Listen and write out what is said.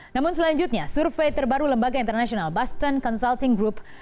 namun selanjutnya survei terbaru lembaga internasional boston consulting group